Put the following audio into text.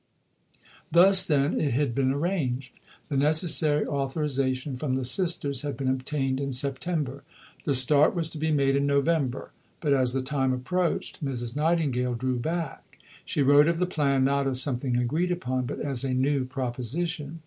Thus, then, it had been arranged. The necessary authorization from the Sisters had been obtained in September. The start was to be made in November. But as the time approached, Mrs. Nightingale drew back. She wrote of the plan, not as something agreed upon, but as a new proposition.